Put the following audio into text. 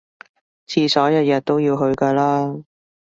廁所日日都要去㗎啦